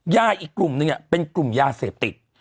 อีกกลุ่มนึงเป็นกลุ่มยาเสพติด